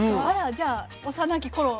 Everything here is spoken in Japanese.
あらじゃあ幼き頃。